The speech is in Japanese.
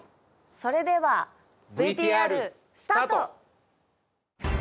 それではＶＴＲスタート！